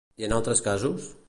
I en altres casos?